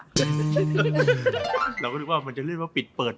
เราก็นึกว่ามันจะเรียกว่าปิดเปิด